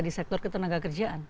di sektor ketenaga kerjaan